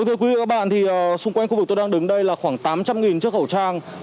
thưa quý vị xung quanh khu vực tôi đang đến đây là khoảng tám trăm linh chiếc khẩu trang